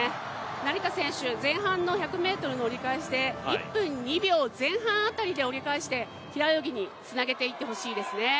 成田選手、前半の１００ｍの折り返しで１分２秒前半で折り返して平泳ぎにつなげていってほしいですね。